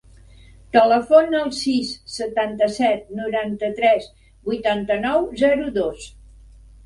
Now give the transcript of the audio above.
Telefona al sis, setanta-set, noranta-tres, vuitanta-nou, zero, dos.